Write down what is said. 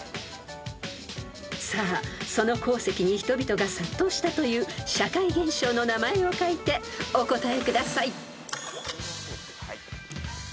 ［さあその鉱石に人々が殺到したという社会現象の名前を書いてお答えください］